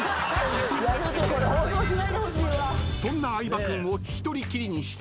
［そんな相葉君を］